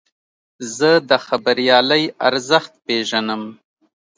زه د خبریالۍ ارزښت پېژنم.